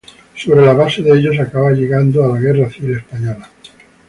Sobre la base de ellos acaba llegando a la Guerra Civil Española.